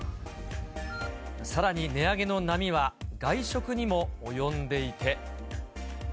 さらに値上げの波は外食にも及んでいて。